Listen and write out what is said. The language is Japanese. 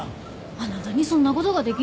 あなたにそんなことができんの？